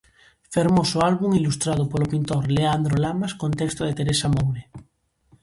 Fermoso álbum ilustrado polo pintor Leandro Lamas, con texto de Teresa Moure.